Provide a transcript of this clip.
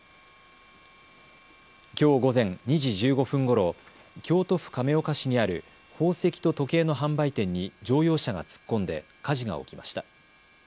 きょう午前２時１５分ごろ、京都府亀岡市にある宝石と時計の販売店に乗用車が突っ込んで火事が起きました。